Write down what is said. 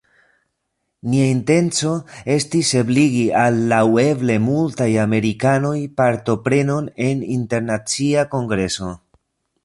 nia intenco estis ebligi al laŭeble multaj amerikanoj partoprenon en internacia kongreso.